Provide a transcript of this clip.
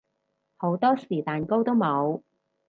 好多時蛋糕都冇